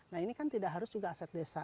nah ini kan tidak harus juga aset desa